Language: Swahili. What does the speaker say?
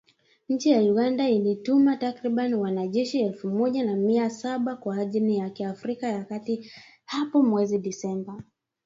Nchi ya Uganda ilituma takribani wanajeshi elfu moja na mia saba kwa jirani yake, Afrika ya kati hapo mwezi Disemba